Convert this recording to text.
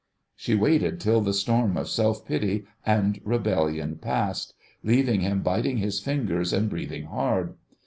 She waited till the storms of self pity and rebellion passed, leaving him biting his fingers and breathing hard.